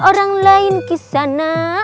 orang lain kesana